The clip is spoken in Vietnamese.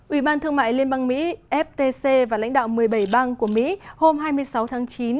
ủy ban thương mại liên bang mỹ ftc và lãnh đạo một mươi bảy bang của mỹ hôm hai mươi sáu tháng chín